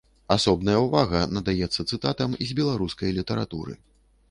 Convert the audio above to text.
Асобная ўвага надаецца цытатам з беларускай літаратуры.